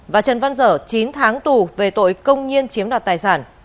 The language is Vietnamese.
và trần văn dở chín tháng tù về tội công nhiên chiếm đoạt tài sản